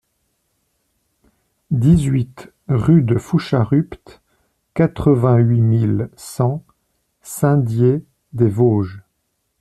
dix-huit rue de Foucharupt, quatre-vingt-huit mille cent Saint-Dié-des-Vosges